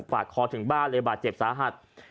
ปากคอถึงบ้านเลยบาดเจ็บสาหัส